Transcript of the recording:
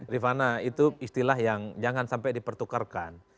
rifana itu istilah yang jangan sampai dipertukarkan